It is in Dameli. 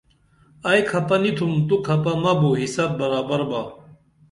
ائی کھپہ نی تُھم تو کھپہ مہ بُو حساب برابر با